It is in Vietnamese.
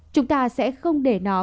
chúng ta sẽ không để nó